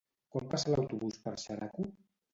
Quan passa l'autobús per Xeraco?